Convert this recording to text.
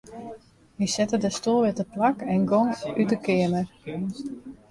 Hy sette de stoel wer teplak en gong út 'e keamer.